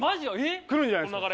えっ？来るんじゃないっすか？